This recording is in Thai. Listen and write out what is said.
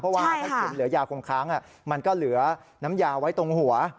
เพราะว่าถ้ากินเหลือยาคงค้างมันก็เหลือน้ำยาไว้ตรงหัว